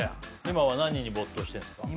今は何に没頭してんすか？